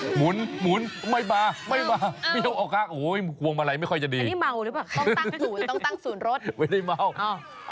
หมุนไม่มาเอาไปกวงมาลัยไม่ค่อยจะดีอันนี้เมาหรือเปล่าต้องตั้งสูญรถ